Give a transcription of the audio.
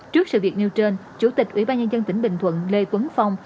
trước sự việc nêu trên chủ tịch ủy ban nhân dân tỉnh bình thuận lê tuấn phong